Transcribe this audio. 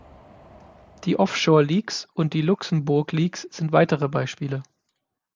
Die Offshore-Leaks und die Luxemburg-Leaks sind weitere Beispiele.